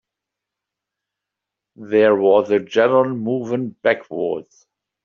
There was a general movement backwards.